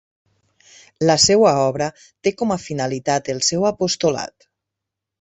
La seua obra té com a finalitat el seu apostolat.